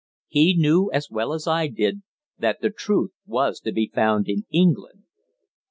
He knew, as well as I did, that the truth was to be found in England.